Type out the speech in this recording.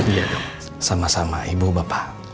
iya dong sama sama ibu bapak